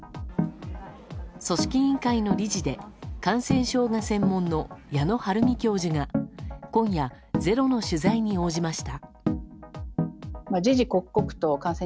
組織委員会の理事で感染症が専門の矢野晴美教授が今夜「ｚｅｒｏ」の取材に応じました。